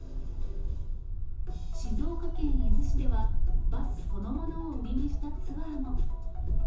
静岡県伊豆市では、バスそのものを売りにしたツアーも。